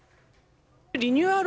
リニューアル